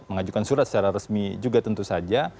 mengajukan surat secara resmi juga tentu saja